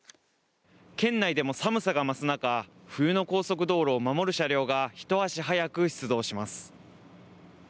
県内でも寒さが増す中冬の高速道路を守る車両がひと足早く出動します。